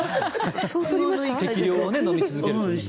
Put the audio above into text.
適量を飲み続けるのはね。